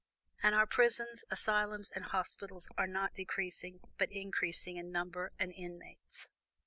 And our prisons, asylums, and hospitals are not decreasing, but increasing in number and inmates.